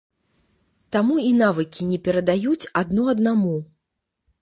Таму і навыкі не перадаюць адно аднаму.